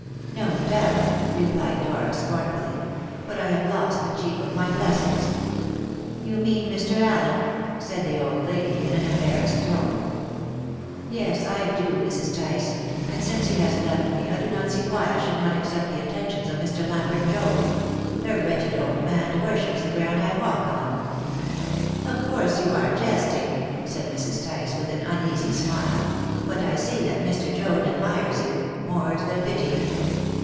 "No doubt," replied Dora scornfully; "but I have lost the chief of my blessings." "You mean Mr. Allen?" said the old lady in an embarrassed tone. "Yes, I do, Mrs. Tice. And since he has left me, I do not see why I should not accept the attentions of Mr. Lambert Joad. The wretched old man worships the ground I walk on." "Of course you are jesting?" said Mrs. Tice, with an uneasy smile; "but I see that Mr. Joad admires you. More's the pity."